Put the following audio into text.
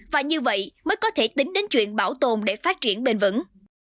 và như vậy mới có thể tính đến chuyện bảo tồn để phát triển bền vững